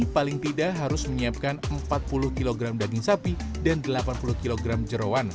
paling tidak harus menyiapkan empat puluh kg daging sapi dan delapan puluh kg jerawan